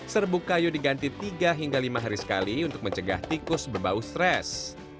serbuk kayu diganti tiga hingga lima hari sekali untuk mencegah tikus berbau stres